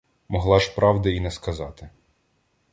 Могла ж правди і не сказати.